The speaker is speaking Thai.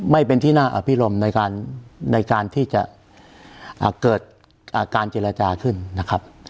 ไม่เป็นที่น่าอภิรมในการที่จะเกิดการเจรจาขึ้นนะครับ